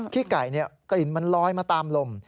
ขี้ไก่กลิ่นมันลอยมาตามลม